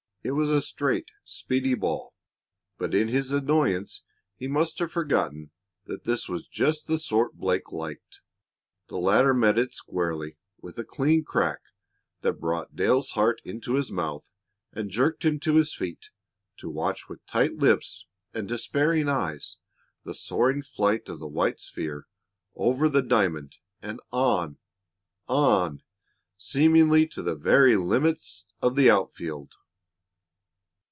It was a straight, speedy ball, but in his annoyance he must have forgotten that this was just the sort Blake liked. The latter met it squarely with a clean crack that brought Dale's heart into his mouth and jerked him to his feet to watch with tight lips and despairing eyes the soaring flight of the white sphere over the diamond and on on seemingly to the very limits of the outfield!